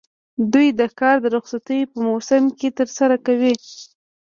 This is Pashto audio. دوی دا کار د رخصتیو په موسم کې ترسره کوي